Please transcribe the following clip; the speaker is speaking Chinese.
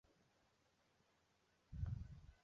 但是事后证实那是美国空军的一具迷路的卫星。